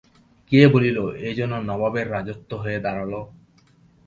কেহ বলিল, এ যেন নবাবের রাজত্ব হয়ে দাঁড়ালো।